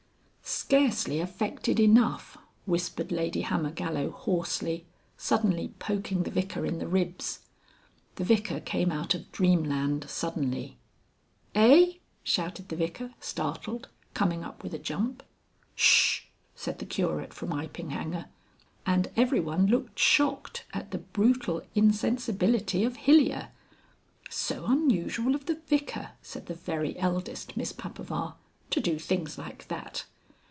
"Scarcely affected enough," whispered Lady Hammergallow hoarsely, suddenly poking the Vicar in the ribs. The Vicar came out of Dreamland suddenly. "Eigh?" shouted the Vicar, startled, coming up with a jump. "Sssh!" said the Curate from Iping Hanger, and everyone looked shocked at the brutal insensibility of Hilyer. "So unusual of the Vicar," said the very eldest Miss Papaver, "to do things like that!"